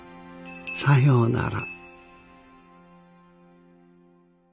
さようなら。